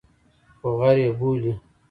خو غر یې بولي.